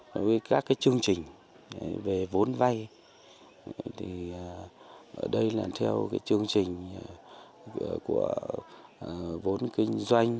với các chương trình về vốn vay ở đây là theo chương trình của vốn kinh doanh